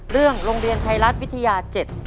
เรื่องโรงเรียนไทยรัฐวิทยา๗